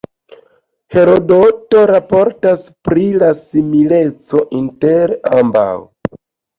Herodoto raportas pri la simileco inter ambaŭ.